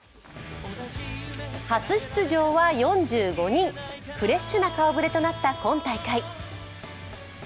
初出場は４５人、フレッシュな顔ぶれとなった今大会。